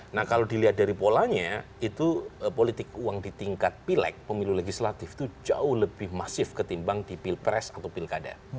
nah kalau dilihat dari polanya itu politik uang di tingkat pilek pemilu legislatif itu jauh lebih masif ketimbang di pilpres atau pilkada